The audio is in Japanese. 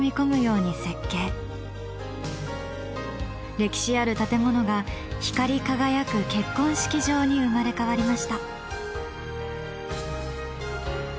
歴史ある建物が光り輝く結婚式場に生まれ変わりました。